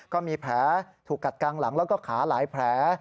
ก็มีแผลถูกกัดกลางหลังแล้วก็ขาหลายแผล